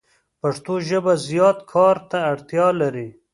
پښتو ژبه زیات کار ته اړتیا لری